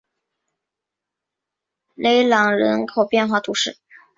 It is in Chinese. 勒朗人口变化图示